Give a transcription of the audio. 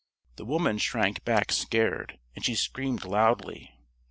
The woman shrank back scared, and she screamed loudly.